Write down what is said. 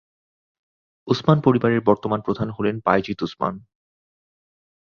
উসমান পরিবারের বর্তমান প্রধান হলেন বায়েজিদ উসমান।